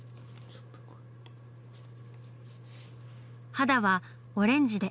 肌はオレンジで。